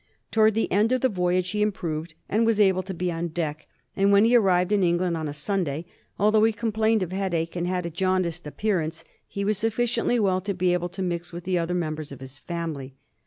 Towards the end of the voyage he improved and was able to be on deck; and when he arrived in England on a Sunday, although he complained of headache and had a jaundiced appearance, he was sufficiently well to be able to mix with the other mem bers of his family.